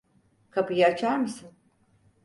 Kapıyı açar mısın?